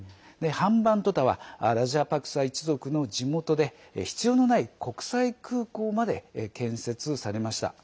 ハンバントタはラジャパクサ一族の地元で必要のない国際空港まで建設されました。